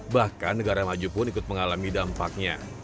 bahkan negara maju pun ikut mengalami dampaknya